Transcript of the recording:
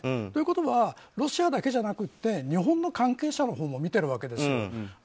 ということはロシアだけじゃなくて日本の関係者も見ているわけです。